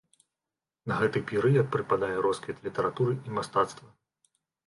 На гэты перыяд прыпадае росквіт літаратуры і мастацтва.